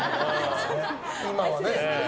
今はね。